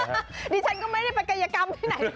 ดิฉันก็ไม่ได้ไปกายกรรมที่ไหน